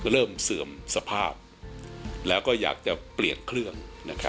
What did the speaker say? เสื่อมสภาพแล้วก็อยากจะเปลี่ยนเครื่อง